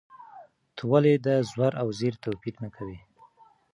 ته ولې د زور او زېر توپیر نه کوې؟